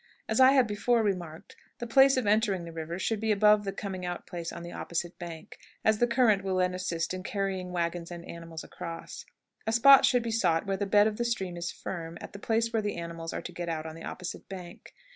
As I have before remarked, the place of entering the river should be above the coming out place on the opposite bank, as the current will then assist in carrying wagons and animals across. A spot should be sought where the bed of the stream is firm at the place where the animals are to get out on the opposite bank.